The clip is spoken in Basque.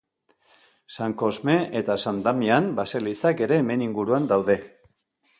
San Kosme eta San Damian baselizak ere hemen inguruan daude.